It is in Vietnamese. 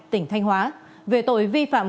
tỉnh thanh hóa về tội vi phạm